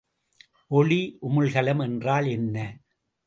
ஒளி உமிழ்கலம் என்றால் என்ன?